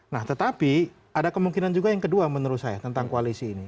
nah tetapi ada kemungkinan juga yang kedua menurut saya tentang koalisi ini